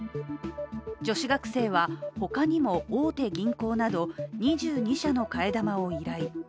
女子学生は他にも大手銀行など２２社の替え玉を依頼。